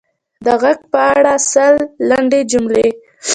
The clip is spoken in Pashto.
د ږغ په اړه سل لنډې جملې: